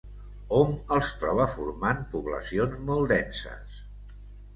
Hom els troba formant poblacions molt denses.